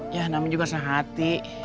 ya namanya juga sehati